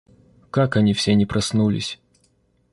Как они все не проснулись!